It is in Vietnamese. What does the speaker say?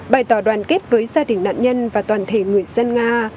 bày tỏ đoàn kết với gia đình nạn nhân và toàn thể người dân nga